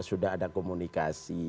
sudah ada komunikasi